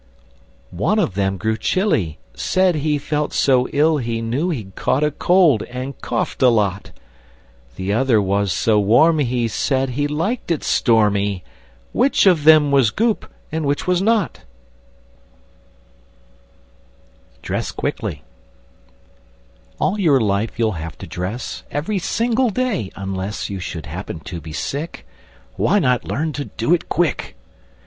One of them grew chilly; Said he felt so ill he Knew he'd caught a cold, and coughed a lot! The other was so warm he Said he liked it stormy! Which of them was Goop, and which was not? [Illustration: Dress Quickly!] DRESS QUICKLY! All your life you'll have to dress, Every single day (unless You should happen to be sick), Why not learn to do it quick?